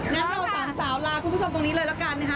งั้นเราสามสาวลาคุณผู้ชมตรงนี้เลยละกันนะคะ